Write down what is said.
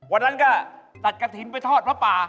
วันนั้นก็ตัดกระถิ่นไปทอดพระป่า